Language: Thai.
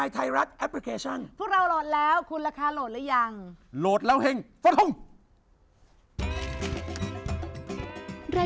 ใครสามารถรับชมได้ทุกวัย